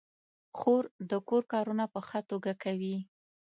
خور د کور کارونه په ښه توګه کوي.